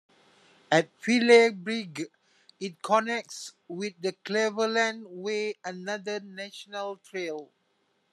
At Filey Brigg, it connects with the Cleveland Way, another National Trail.